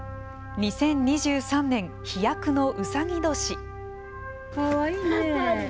２０２３年飛躍のうさぎ年。